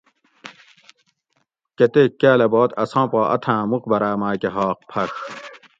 کتیک کاۤلہ باد اساں پا اتھاۤں مُقبراۤ ماۤکہ حاق پھڛ